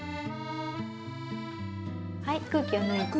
はい空気を抜いて。